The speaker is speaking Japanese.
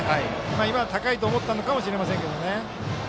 今、高いと思ったのかもしれませんけどね。